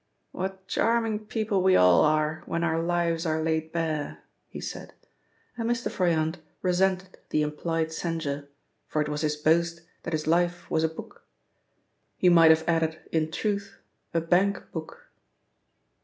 "What charming people we all are when our lives are laid bare!" he said, and Mr. Froyant resented the implied censure, for it was his boast that his life was a book. He might have added in truth a bank book.